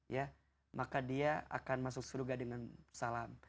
ya maka dia akan masuk surga dengan salam